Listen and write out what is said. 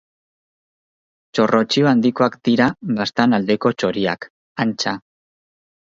Txorrotxio handikoak dira Baztan aldeko txoriak, antza.